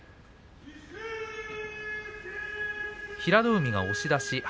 平戸海が押し出し。